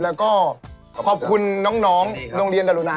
แล้วก็ขอบคุณน้องโรงเรียนกรุณา